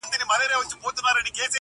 چا پر خرو چا به په شا وړله بارونه -